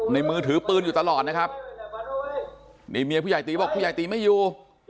มือถือปืนอยู่ตลอดนะครับนี่เมียผู้ใหญ่ตีบอกผู้ใหญ่ตีไม่อยู่